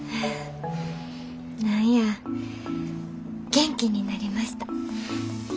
何や元気になりました。